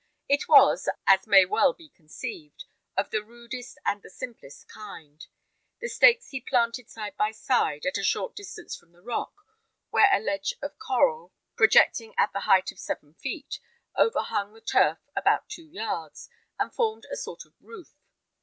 It was, as may well be conceived, of the rudest and the simplest kind. The stakes he planted side by side, at a short distance from the rock, where a ledge of coral, projecting at the height of seven feet, overhung the turf about two yards, and formed a sort of roof.